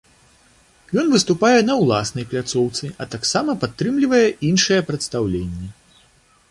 Ён выступае на ўласнай пляцоўцы, а таксама падтрымлівае іншыя прадстаўленні.